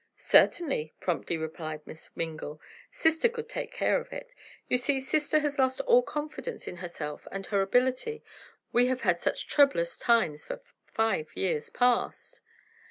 "Certainly," promptly replied Miss Mingle, "sister could take care of it. You see, sister has lost all confidence in herself and her ability—we have had such troublous times for five years past!"